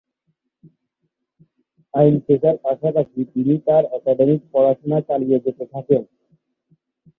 আইন পেশার পাশাপাশি তিনি তার অ্যাকাডেমিক পড়াশোনা চালিয়ে যেতে থাকেন।